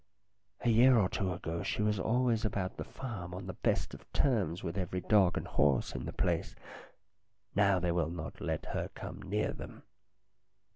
A year or two ago she was always about the farm on the best of terms with every dog and horse in the place. Now they will not let her come near them.